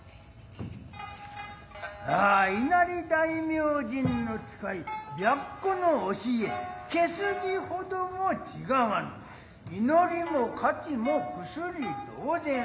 ああ稲荷大明神の使い白狐の教え髪筋程も違わぬ祈りも加持も薬同然。